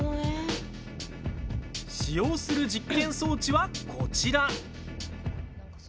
使用する実験装置はこちら。